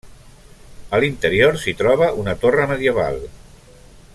A l'interior s'hi troba una torre medieval.